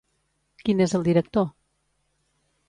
Qui n'és el director?